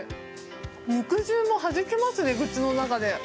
肉汁もはじけますね、口の中で。